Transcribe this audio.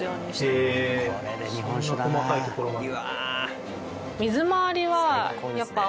そんな細かいところまで。